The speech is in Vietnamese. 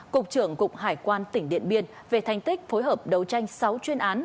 cục trưởng cục hải quan tỉnh điện biên về thành tích phối hợp đấu tranh sáu chuyên án